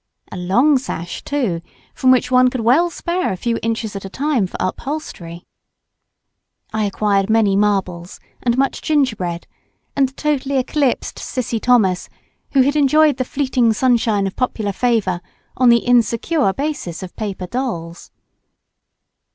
A long sash, too, from which one could well spare a few inches at a time for upholstery. I acquired many marbles, and much gingerbread, and totally eclipsed Cissy Thomas who bad enjoyed the fleeting sunshine of popular favour on the insecure basis of paper dolls.